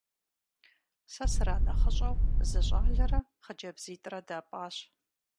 Сэ сранэхъыщӀэу зы щӏалэрэ хъыджэбзитӏрэ дапӀащ.